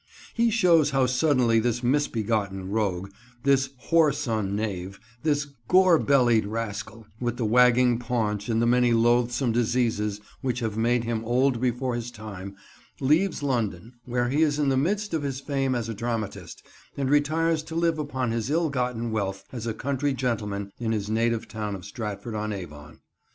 He shows how suddenly this misbegotten rogue, this whoreson knave, this gorbellied rascal with the wagging paunch and the many loathsome diseases which have made him old before his time leaves London, where he is in the midst of his fame as a dramatist, and retires to live upon his ill gotten wealth as a country gentleman in his native town of Stratford on Avon.